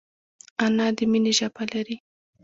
انا د مینې ژبه لري